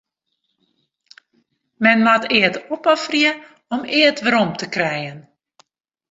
Men moat eat opofferje om eat werom te krijen.